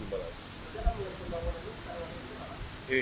bagaimana uang perbangunan itu setahun ini